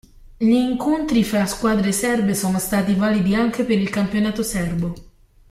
Gli incontri fra squadre serbe sono stati validi anche per il campionato serbo.